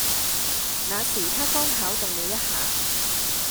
那時她剛巧動了一下